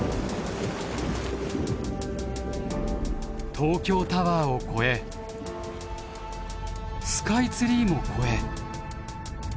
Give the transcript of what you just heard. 東京タワーを超えスカイツリーも超え。